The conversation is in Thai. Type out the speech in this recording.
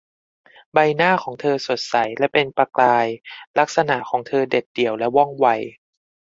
ใบหน้าของเธอสดใสและเป็นประกายลักษณะของเธอเด็ดเดี่ยวและว่องไว